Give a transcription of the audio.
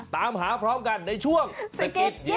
ตามหาพร้อมกันในช่วงสะกิดยิ้ม